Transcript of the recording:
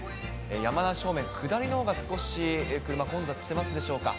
山梨方面、下りのほうが少し車混雑してますでしょうか。